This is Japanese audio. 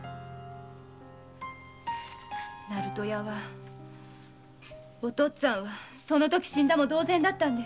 鳴門屋はお父っつぁんはそのとき死んだも同然だったんです。